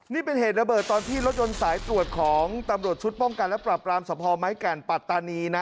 นี่เป็นเหตุระเบิดตอนที่รถยนต์สายตรวจของตำรวจชุดป้องกันและปรับรามสภไม้แก่นปัตตานีนะ